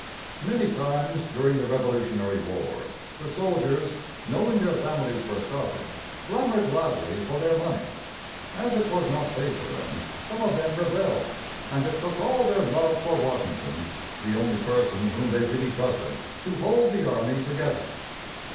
Many times during the Revolutionary War the soldiers, knowing their families were starving, clamored loudly for their money. As it was not paid to them, some of them rebelled, and it took all their love for Washington the only person whom they really trusted to hold the army together.